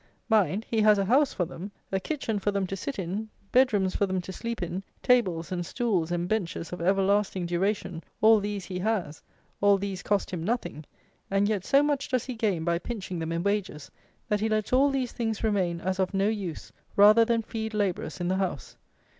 Mind, he has a house for them; a kitchen for them to sit in, bed rooms for them to sleep in, tables, and stools, and benches, of everlasting duration. All these he has: all these cost him nothing; and yet so much does he gain by pinching them in wages, that he lets all these things remain as of no use, rather than feed labourers in the house.